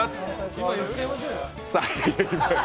今言っちゃいましょうよ！